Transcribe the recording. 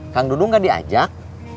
kang dudung nggak diajak